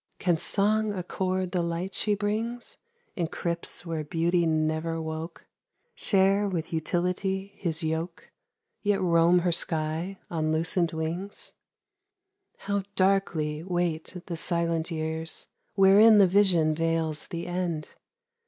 Can Song accord the light she brings In crypts where Beauty never woke ? Share with Utility his yoke, Tet roam her sky on lucent wings ? How darkly wait the silent years Wherein the Vision veils the End!